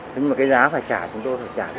nhưng mà cái giá phải trả chúng tôi phải trả rất nhiều